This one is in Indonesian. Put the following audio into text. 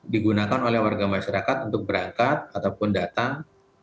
digunakan oleh warga masyarakat untuk berangkat ataupun datang